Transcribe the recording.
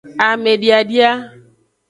Amediadia.